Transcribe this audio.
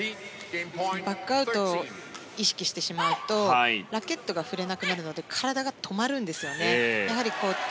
バックアウトを意識してしまうとラケットが振れなくなるので体が止まるんですよね。